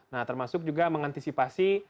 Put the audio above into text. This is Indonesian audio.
nah termasuk juga mengantisipasi